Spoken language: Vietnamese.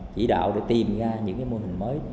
chỉ đạo để tìm ra những mô hình mới